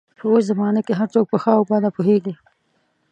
په اوس زمانه کې هر څوک په ښه او بده پوهېږي